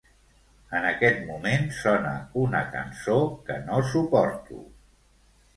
En aquest moment sona una cançó que no suporto.